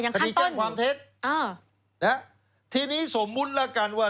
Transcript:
คดีแจ้งความเท็จทีนี้สมมุติแล้วกันว่า